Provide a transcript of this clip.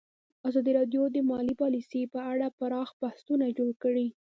ازادي راډیو د مالي پالیسي په اړه پراخ بحثونه جوړ کړي.